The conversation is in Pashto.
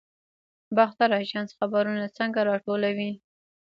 باختر اژانس خبرونه څنګه راټولوي؟